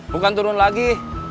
bukan turun lagi